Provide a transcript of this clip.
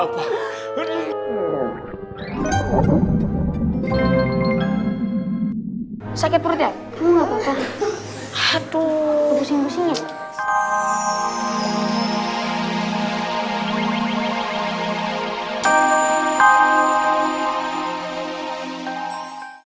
sakit perut ya